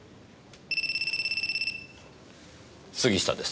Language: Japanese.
杉下です。